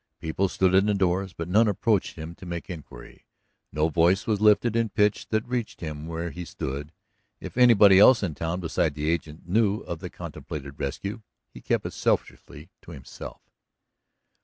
People stood in the doors, but none approached him to make inquiry, no voice was lifted in pitch that reached him where he stood. If anybody else in town besides the agent knew of the contemplated rescue, he kept it selfishly to himself.